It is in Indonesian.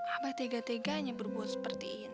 abah tega teganya berbuat seperti ini